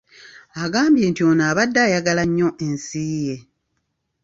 Agambye nti ono abadde ayagala nnyo ensi ye.